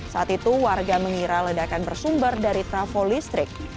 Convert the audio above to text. saat itu warga mengira ledakan bersumber dari trafo listrik